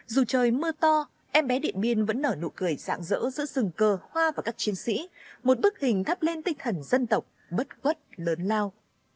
dù trời mưa to em bé điện biên vẫn nở nụ cười dạng dỡ giữa rừng cờ hoa và các chiến sĩ một bức hình thắp lên tinh thần dân tộc bất quất lớn lao